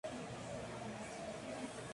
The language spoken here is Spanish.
La prematura muerte del prócer lo impidió.